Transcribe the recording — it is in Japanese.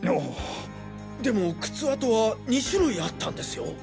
でも靴跡は２種類あったんですよ。